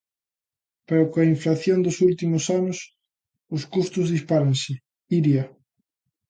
Pero coa inflación dos últimos anos, os custos dispáranse, Iria.